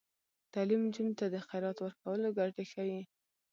تعلیم نجونو ته د خیرات ورکولو ګټې ښيي.